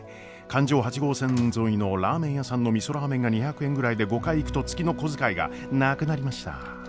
環状８号線沿いのラーメン屋さんのみそラーメンが２００円ぐらいで５回行くと月の小遣いがなくなりましたぁ。